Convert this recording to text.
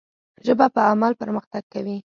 ژبه په عمل پرمختګ کوي.